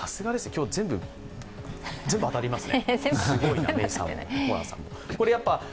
今日、全部当たりますね。